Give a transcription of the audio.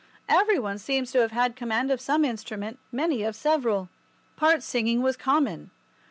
Every one seems to have had command of some instrument, many of several. Part singing was common.